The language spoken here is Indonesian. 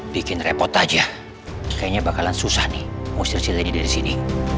bikin repot aja kayaknya bakalan susah nih muster silengin sini